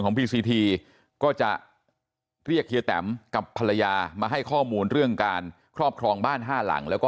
พีซีทีก็จะเรียกเฮียแตมกับภรรยามาให้ข้อมูลเรื่องการครอบครองบ้านห้าหลังแล้วก็